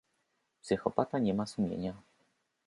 Psychopata nie ma sumienia.